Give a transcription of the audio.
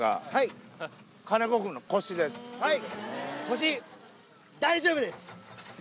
はい！